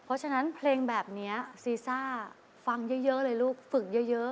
เพราะฉะนั้นเพลงแบบนี้ซีซ่าฟังเยอะเลยลูกฝึกเยอะ